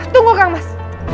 tunggu kang mas